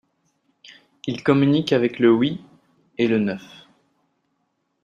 Il communique avec le huit et le neuf…